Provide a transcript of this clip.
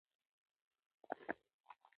د هلمند ولایت د مرمرو کانونه ډیر مشهور دي.